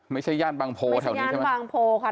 ไม่ใช่ย่านบางโพลแถวนี้ใช่ไหม